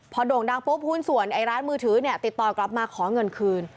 พอโด่งดังปุ๊บหุ้นส่วนไอ้ร้านมือถือเนี่ยติดต่อกลับมาขอเงินคืน